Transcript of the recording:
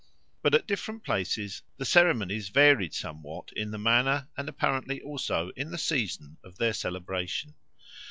But at different places the ceremonies varied somewhat in the manner and apparently also in the season of their celebration.